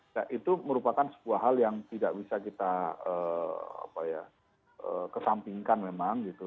nah itu merupakan sebuah hal yang tidak bisa kita kesampingkan memang gitu